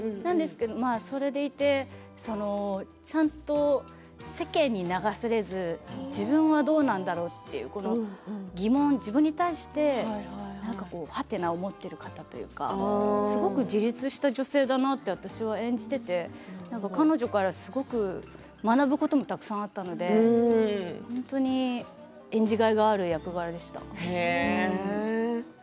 それでいて、ちゃんと世間に流されず自分はどうなんだろうという疑問を自分に対してはてなを持っている方というかすごく自立した女性だなって私は演じていて彼女から、すごく学ぶこともたくさんあったので本当に演じがいがある役柄でした。